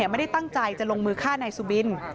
ไม่ได้ตั้งใจจะลงมือฆ่านายสุบิน